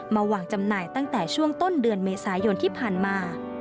วางจำหน่ายตั้งแต่ช่วงต้นเดือนเมษายนที่ผ่านมา